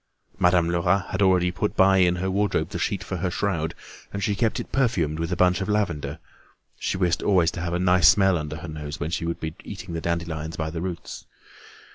Madame Lerat had already put by in her wardrobe the sheet for her shroud, and she kept it perfumed with a bunch of lavender; she wished always to have a nice smell under her nose when she would be eating the dandelions by the roots.